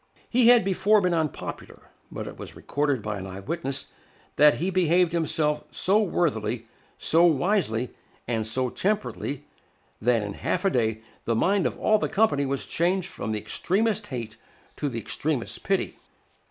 He had before been unpopular; but it was recorded by an eye witness that "he behaved himself so worthily, so wisely, and so temperately, that in half a day the mind of all the company was changed from the extremest hate to the extremest pity."